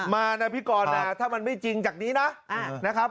มานะพี่กอชนะถ้ามันไม่จริงจากนี้นะ